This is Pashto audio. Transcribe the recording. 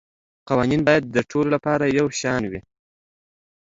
قوانین باید د ټولو لپاره یو شان وي